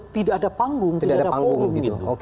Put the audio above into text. tidak ada panggung tidak ada forum gitu